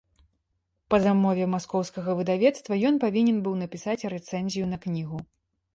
Па замове маскоўскага выдавецтва ён павінен быў напісаць рэцэнзію на кнігу.